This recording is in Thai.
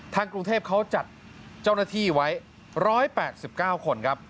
กรุงเทพเขาจัดเจ้าหน้าที่ไว้๑๘๙คนครับ